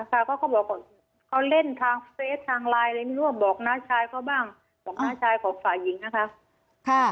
ค่ะค่ะเขาบอกว่าเขาเล่นทางเฟซทางไลน์ในมุกบอกหน้าชายเขาบ้างของหน้าชายของฝ่ายหญิงนะคะ